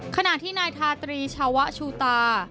ขณะที่นายทาตรีชาวะชูตา